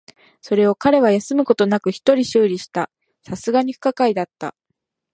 それを彼は休むことなく一人修理した。流石に不可解だった。